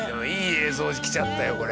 いい映像きちゃったよ